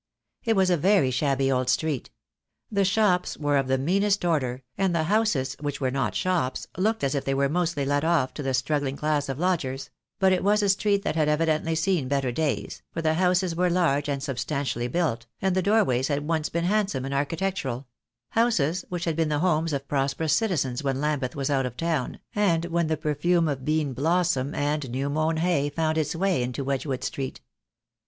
It was a very shabby old street. The shops were of the meanest order, and the houses which were not shops looked as if they were mostly let off to the struggling class of lodgers; but it was a street that had evidently seen better days, for the houses were large and substan 252 THE DAY WILL COME. tially built, and the doorways had once been handsome and architectural — houses which had been the homes of prosperous citizens when Lambeth was out of town, and when the perfume of bean blossom and new mown hay found its way into Wedgewood Street.